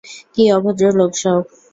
কি অভদ্র লোক সব।